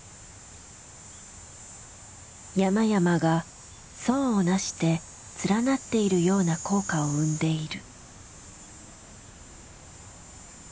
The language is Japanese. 山々が層を成して連なっているような効果を生んでいる。